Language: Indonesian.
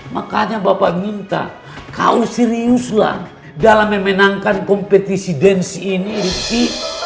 makanya bapak minta kau seriuslah dalam memenangkan kompetisi dance ini sih